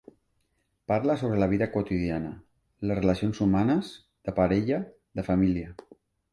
Parla sobre la vida quotidiana, les relacions humanes, de parella, de família.